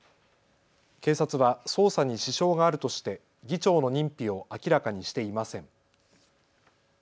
警察は捜査に支障があるとして議長の認否を明らかにしていません。